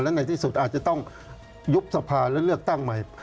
และในที่สุดอาจจะต้องยุบสภาและเลือกตั้งใหม่